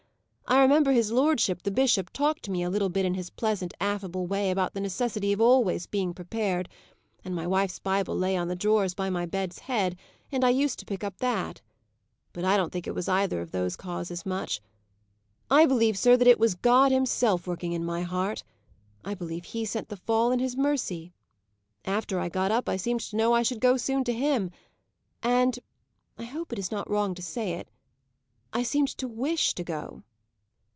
I remember his lordship, the bishop, talked to me a little bit in his pleasant, affable way, about the necessity of always, being prepared; and my wife's Bible lay on the drawers by my bed's head, and I used to pick up that. But I don't think it was either of those causes much; I believe, sir, that it was God Himself working in my heart. I believe He sent the fall in His mercy. After I got up, I seemed to know that I should soon go to Him; and I hope it is not wrong to say it I seemed to wish to go."